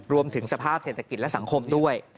รวมถึงสภาพเศรษฐกิจและสังคมด้วย